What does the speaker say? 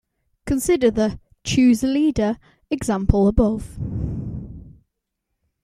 Consider the "Choose a Leader" example above.